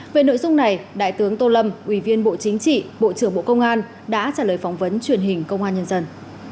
về nội dung này đại tướng tô lâm ủy viên bộ chính trị bộ trưởng bộ công an đã trả lời phỏng vấn truyền hình công an nhân dân